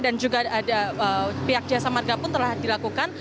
dan juga pihak jasa marga pun telah dilakukan